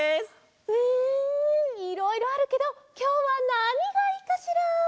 うんいろいろあるけどきょうはなにがいいかしら？